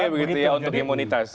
begitu ya untuk imunitas